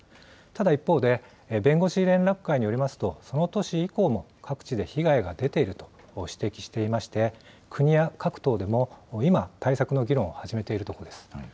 ただ一方で、弁護士連絡会によりますと、その年以降も各地で被害が出ていると指摘していまして、国や各党でも、今、対策の議論を初めているところです。